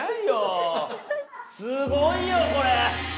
すごいよこれ！